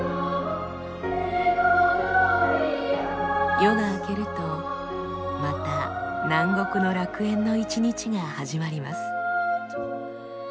夜が明けるとまた南国の楽園の一日が始まります。